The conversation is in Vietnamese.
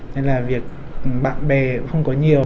nên là việc bạn bè cũng không có nhiều